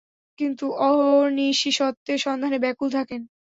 কিন্তু অহর্নিশি সত্যের সন্ধানে ব্যাকুল থাকেন।